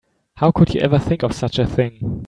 How could you ever think of such a thing?